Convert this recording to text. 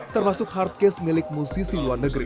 termasuk hardcase milik musisi luar negeri